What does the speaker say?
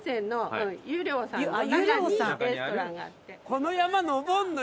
この山上るの？